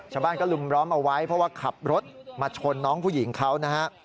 ชาวบ้านก็ลุมล้อมเอาไว้เพราะว่าขับรถมาชนน้องผู้หญิงเขานะฮะ